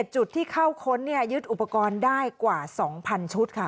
จุดที่เข้าค้นยึดอุปกรณ์ได้กว่า๒๐๐ชุดค่ะ